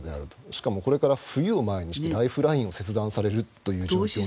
しかもこれから冬を前にしてライフラインを遮断されてという状況に。